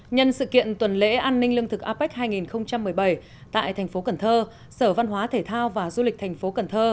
nhân sự kiện tuần lễ an ninh lương thực apec hai nghìn một mươi bảy tại tp cn sở văn hóa thể thao và du lịch tp cn